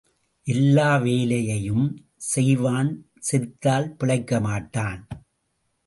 எல்லா வேலையும் செய்வான் செத்தால் பிழைக்கமாட்டான்.